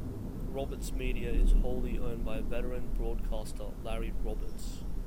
Roberts Media is wholly owned by veteran broadcaster Larry Roberts.